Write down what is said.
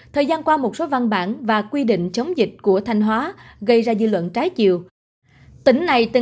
thời gian qua một số văn bản và quy định chống dịch của thanh hóa gây ra dư luận trái chiều